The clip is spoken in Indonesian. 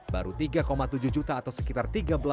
baru tiga tujuh juta atau sekitar tiga belas sembilan